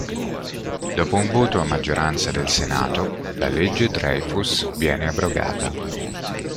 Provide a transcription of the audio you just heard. Dopo un voto a maggioranza del Senato, la Legge Dreyfuss viene abrogata.